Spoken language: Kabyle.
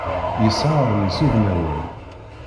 Yesɛa aɣmis udmawan.